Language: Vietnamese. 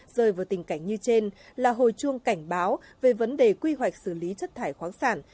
rơi vào tình cảnh như trên là hồi chuông cảnh báo về vấn đề quy hoạch xử lý chất thải khoáng sản